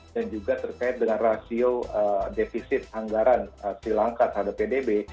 dan juga terkait dengan rasio defisit anggaran sri lanka terhadap pdb